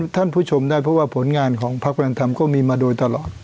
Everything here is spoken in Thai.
ท่านผู้ชมได้เพราะว่าผลงานของพักพลังธรรมก็มีมาโดยตลอด